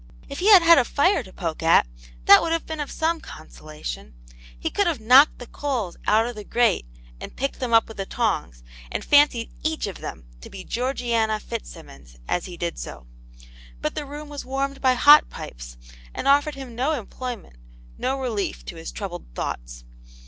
If he had had a fire to, poke at, that would have been oFsome consolation ; he could have knocked the coals out of the grate and picked them up >n\\.\\ \ii^ tou^s. Aunt yane*s Hero. 19 and fancied each of them to be Gcorgiana Fitz simmons as he did so. But the room was warmed by hot pipes, and offered him no enaployment^ no relief to his troubled thoughts.